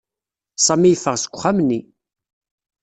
Sami yeffeɣ seg uxxam-nni.